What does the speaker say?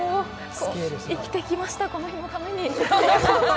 生きてきました、この日のために。